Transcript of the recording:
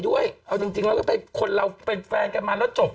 ด้วยเอาจริงจีงก็เป็นคนเราไปแฟนกันมาแล้วจบแล้ว